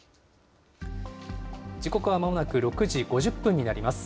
時刻はまもなく６時５０分になります。